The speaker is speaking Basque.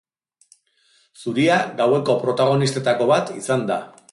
Zuria gaueko protagonistetako bat izan da.